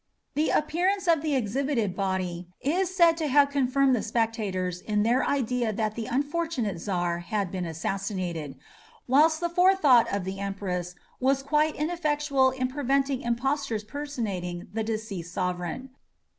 The appearance of the exhibited body is said to have confirmed the spectators in their idea that the unfortunate Czar had been assassinated, whilst the forethought of the Empress was quite ineffectual in preventing impostors personating the deceased sovereign.